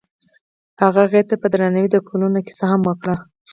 هغه هغې ته په درناوي د ګلونه کیسه هم وکړه.